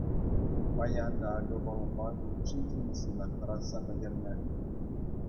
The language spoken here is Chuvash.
Паян та акӑ вӑл ватӑ учительницӑна хӑратса пӗтернӗ.